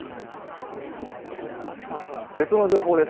鉄道の情報です。